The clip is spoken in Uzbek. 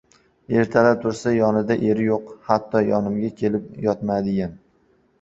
Ertalab tursa, yonida eri yo‘q. «Hatto yonimga kelib yotmadiyam.